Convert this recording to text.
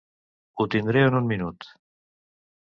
Ho tindré en un minut.